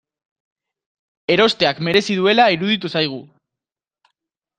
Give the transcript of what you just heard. Erosteak merezi duela iruditu zaigu.